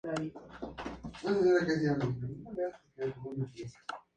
Cargo que ostenta hasta la actualidad.